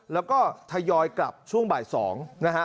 แล้วก็ทยอยกลับช่วงบ่าย๒นะฮะ